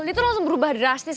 dia tuh langsung berubah drastis